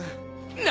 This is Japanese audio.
何！？